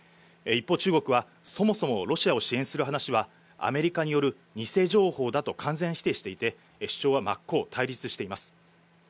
一方、中国はそもそもロシアを支援する話はアメリカによる偽情報だと完全否定していて主張は真っ向対立しています。